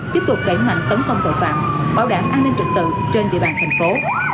tiếp tục đẩy mạnh tấn công tội phạm bảo đảm an ninh trực tự trên địa bàn thành phố